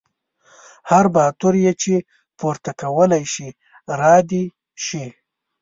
هر باتور یې چې پورته کولی شي را دې شي.